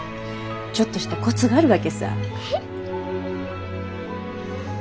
ちょっとしたコツがあるわけさぁ。